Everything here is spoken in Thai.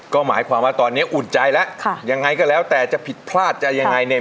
ก็หมายความว่าตอนนี้อุ่นใจแล้วค่ะยังไงก็แล้วแต่จะผิดพลาดจะยังไงเนี่ย